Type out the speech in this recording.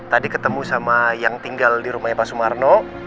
tadi ketemu sama yang tinggal di rumahnya pak sumarno